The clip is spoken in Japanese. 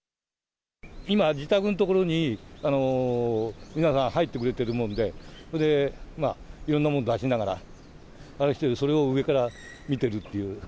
今、自宅の所に皆さん、入ってくれてるもんで、それで、いろんなもの出しながら、あれしてて、私はそれを上から見てるっていう。